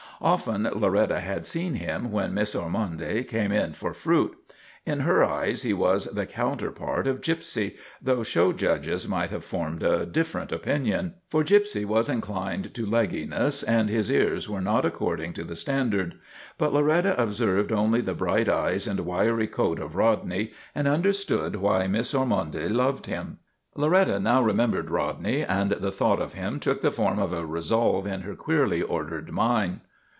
Often Loretta had seen him when Miss Ormonde came in for fruit. In her eyes he was the counter part of Gypsy, though show judges might have formed a different opinion. For Gypsy was inclined to legginess and his ears were not according to the standard; but Loretta observed only the bright eyes and wiry coat of Rodney and understood why Miss Ormonde loved him. Loretta now remembered Rodney, and the thought of him took the form of a resolve in her queerly ordered mind.